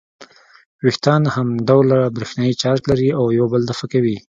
وېښتان همډوله برېښنايي چارج لري او یو بل دفع کوي.